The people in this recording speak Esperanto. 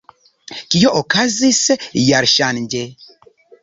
Kio okazis jarŝanĝe?